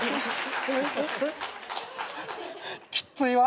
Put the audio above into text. きっついわ。